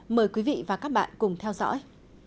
mời quý vị và các bạn cùng theo dõi